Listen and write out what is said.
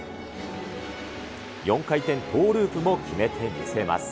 ４回転トーループも決めて見せます。